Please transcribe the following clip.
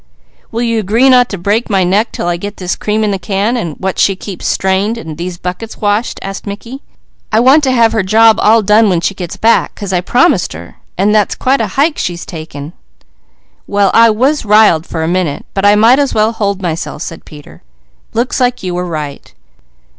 "Will you agree not to break my neck 'til I get this cream in the can, and what she keeps strained, and these buckets washed?" asked Mickey. "I want to have her job all done when she gets back, 'cause I promised her, and that's quite a hike she's taking." "Well I was 'riled' for a minute, but I might as well hold myself," said Peter. "Looks like you were right."